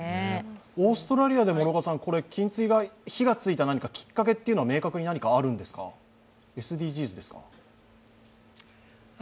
オーストラリアでも金継ぎに火がついたきっかけは明確に何かあるんですか、ＳＤＧｓですか？